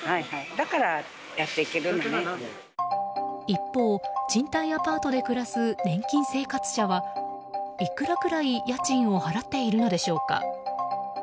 一方、賃貸アパートで暮らす年金生活者はいくらくらい家賃を払っているのでしょうか。